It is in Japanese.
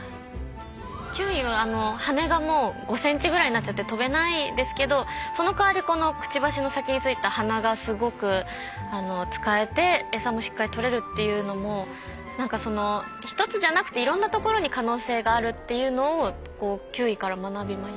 キーウィは羽がもう５センチぐらいになっちゃって飛べないですけどそのかわりこのくちばしの先についた鼻がすごく使えてエサもしっかりとれるっていうのも何かその一つじゃなくていろんなところに可能性があるっていうのをこうキーウィから学びました。